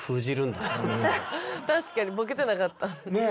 確かにボケてなかった。